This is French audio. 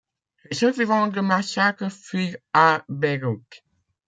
Les survivants du massacre fuirent à Beyrouth.